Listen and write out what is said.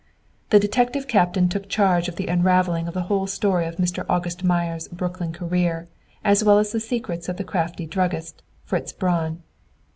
The detective captain took charge of the unravelling of the whole story of Mr. "August Meyer's" Brooklyn career, as well as the secrets of the crafty druggist, Fritz Braun.